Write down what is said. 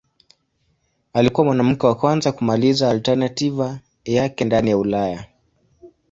Alikuwa mwanamke wa kwanza kumaliza alternativa yake ndani ya Ulaya.